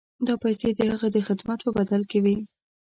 دا پیسې د هغه د خدمت په بدل کې وې.